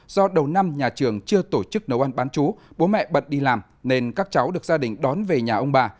do đầu năm nhà trường chưa tổ chức nấu ăn bán chú bố mẹ bận đi làm nên các cháu được gia đình đón về nhà ông bà